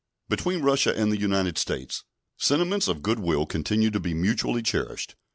Between Russia and the United States sentiments of good will continue to be mutually cherished.